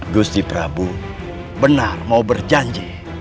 gusti prabu benar mau berjanji